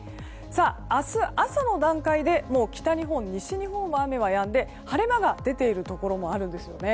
明日朝の段階で北日本、西日本の雨はやんで晴れ間が出ているところもあるんですよね。